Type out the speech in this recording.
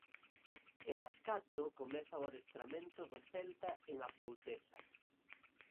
E ás catro comeza o adestramento do Celta en Afouteza.